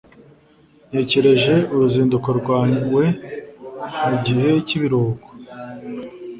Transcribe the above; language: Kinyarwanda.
ntegereje uruzinduko rwawe mugihe cyibiruhuko